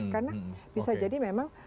karena bisa jadi memang